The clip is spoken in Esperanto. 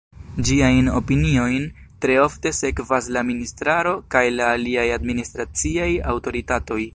Ĝiajn opiniojn tre ofte sekvas la ministraro kaj la aliaj administraciaj aŭtoritatoj.